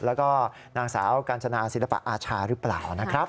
แล้วก็นางสาวกาญจนาศิลปะอาชาหรือเปล่านะครับ